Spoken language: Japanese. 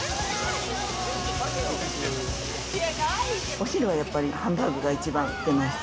お昼はやっぱりハンバーグが一番出ます。